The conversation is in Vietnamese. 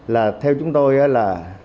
là theo chúng tôi là